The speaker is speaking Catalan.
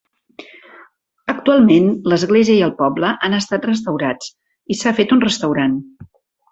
Actualment l'església i el poble han estat restaurats i s'ha fet un restaurant.